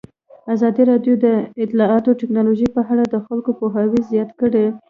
ازادي راډیو د اطلاعاتی تکنالوژي په اړه د خلکو پوهاوی زیات کړی.